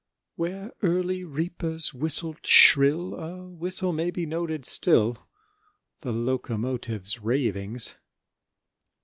Where early reapers whistled—shrill A whistle may be noted still, The locomotives' ravings.